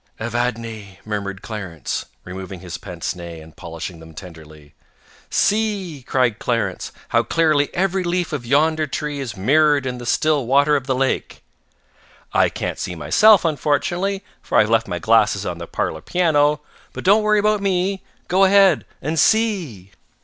"'Evadne,' murmured Clarence, removing his pince nez and polishing them tenderly....'" "'See,' cried Clarence, 'how clearly every leaf of yonder tree is mirrored in the still water of the lake. I can't see myself, unfortunately, for I have left my glasses on the parlor piano, but don't worry about me: go ahead and see!"